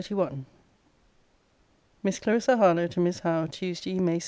LETTER XXXI MISS CLARISSA HARLOWE, TO MISS HOWE TUESDAY, MAY 16.